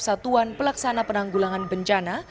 satuan pelaksana penanggulangan bencana